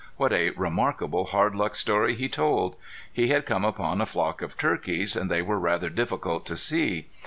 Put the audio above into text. What a remarkable hard luck story he told! He had come upon a flock of turkeys, and they were rather difficult to see.